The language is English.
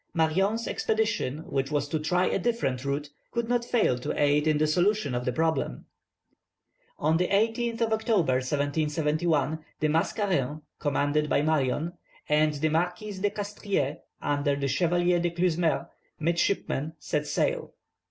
Marion's expedition, which was to try a different route, could not fail to aid in the solution of the problem. On the 18th of October, 1771, the Mascarin, commanded by Marion, and the Marquis de Castries, under the Chevalier Du Clesmeur, midshipman, set sail.